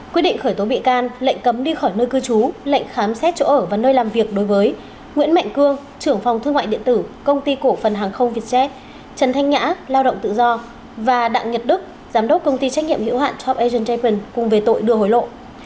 quyết định khởi tố bị can lệnh cấm đi khỏi nơi cư trú lệnh khám xét chỗ ở và nơi làm việc đối với nguyễn mạnh cương trưởng phòng thương mại điện tử công ty cổ phần hàng không vietjet trần thanh ngã lao động tự do và đặng nhật đức giám đốc công ty trách nhiệm hiệu hạn top asian japan cùng về tội đưa hối lộ